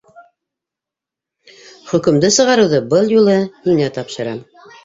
- Хөкөмдө сығарыуҙы был юлы һиңә тапшырам.